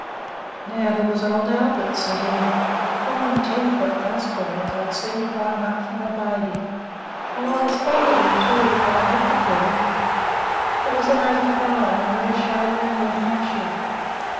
"Now, there was old Albert," said he, "a fine ten foot tusker, that I'd seen grow up from a baby, and I was fond of him, too, but I had to kill him. It was in '85, and we were showing in New Hampshire.